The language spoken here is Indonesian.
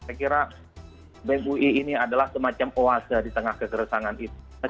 saya kira bem ui ini adalah semacam oase di tengah kegeresangan itu